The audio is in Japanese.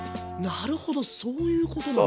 なるほどそういうことなんだ。